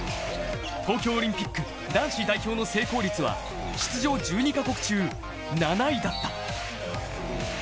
東京オリンピック男子代表の成功率は、出場１２カ国中、７位だった。